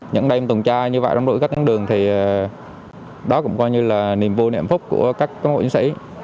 những đêm tuần tra như vậy trong đổi các đường thì đó cũng coi như là niềm vui niềm phúc của các công hội chiến sĩ